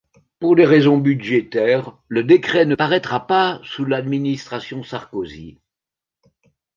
Pour des raisons budgétaires, le décret ne paraîtra pas sous l'administration Sarkozy.